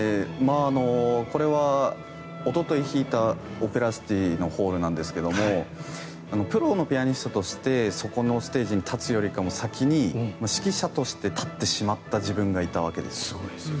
これはおととい弾いたオペラシティーのホールなんですがプロのピアニストとしてそこのステージに立つよりも先に指揮者として立ってしまった自分がいたわけですよ。